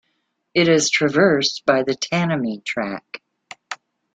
It is traversed by the Tanami Track.